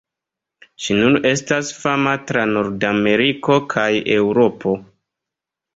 Ŝi nun estas fama tra Nordameriko kaj Eŭropo.